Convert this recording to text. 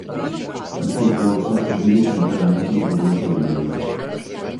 Il suo corso si sviluppa interamente in Provincia di Biella.